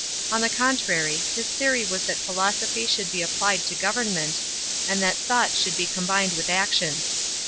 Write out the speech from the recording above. On the contrary, his theory was that philosophy should be applied to government, and that thought should be combimd with notion.